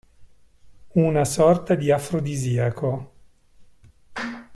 Una sorta di afrodisiaco.